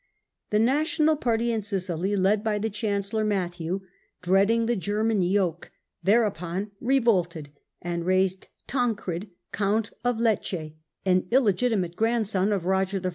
The national party in Sicily, led by the Chancellor Matthew, dreading the German yoke, thereupon revolted, and raised Tancred, Count of Lecce, an illegitimate grandson of Eoger I.